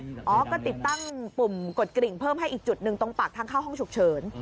อ๋อก็ติดตั้งปุ่มกดกริ่งเพิ่มให้อีกจุดหนึ่งตรงปากทางเข้าห้องฉุกเฉิน